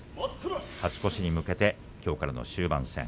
勝ち越しに向けてきょうからの終盤戦。